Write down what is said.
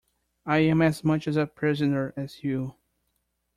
I'm as much a prisoner as you.